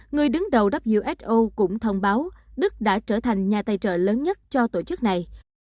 người đứng đầu wi cũng thông báo đức đã trở thành nhà tài trợ lớn nhất cho tổ chức này